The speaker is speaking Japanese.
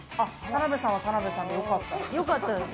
田辺さんは田辺さんはよかった？